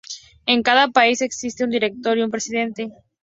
En cada país existe un director y un presidente.